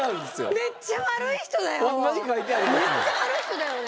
めっちゃ悪い人だよね。